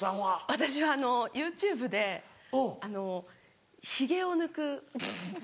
私はＹｏｕＴｕｂｅでヒゲを抜く動画。